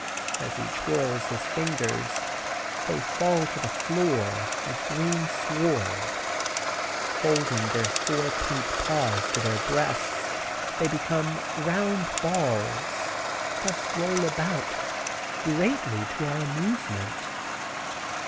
As he twirls his fingers, they fall to the floor, a green sward; folding their four pink paws to their breasts, they become round balls, thus roll about, greatly to our amusement.